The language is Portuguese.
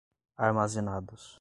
armazenados